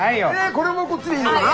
これもこっちでいいのかな？